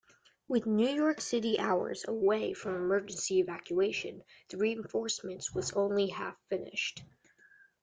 With New York City hours away from emergency evacuation, the reinforcement was only half-finished.